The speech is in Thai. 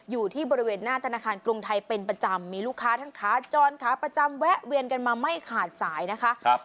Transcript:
อยู่ที่บริเวณหน้าธนาคารกรุงไทยเป็นประจำมีลูกค้าทั้งขาจรขาประจำแวะเวียนกันมาไม่ขาดสายนะคะ